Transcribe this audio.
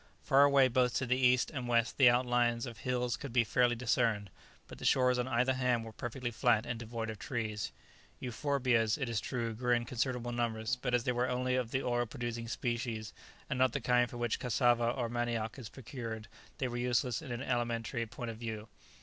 Far away both to the east and west the outlines of hills could be faintly discerned, but the shores on either hand were perfectly flat and devoid of trees. Euphorbias, it is true, grew in considerable numbers, but as they were only of the oil producing species, and not the kind from which cassava or manioc is procured, they were useless in an alimentary point of view.